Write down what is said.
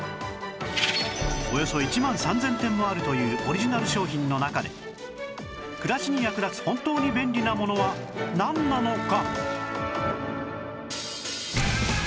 およそ１万３０００点もあるというオリジナル商品の中で暮らしに役立つ本当に便利なものはなんなのか